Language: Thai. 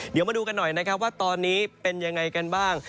เดี๋ยวมาดูกันหน่อยนะครับว่าตอนนี้เป็นยังไงกันบ้าง